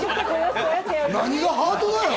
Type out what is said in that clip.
何がハートだよ！